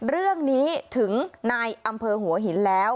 เรื่องนี้ถึงนายอำเภอหัวหินแล้ว